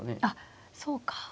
あっそうか。